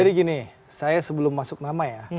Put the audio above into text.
jadi gini saya sebelum masuk nama ya